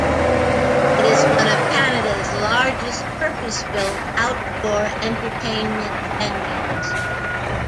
It is one of Canada's largest purpose-built outdoor entertainment venues.